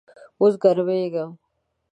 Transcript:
اوس ګرمیږم